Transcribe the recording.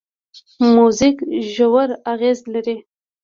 موزیک ژور اغېز لري.